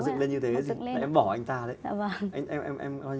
họ dựng lên như thế là em bỏ anh ta đấy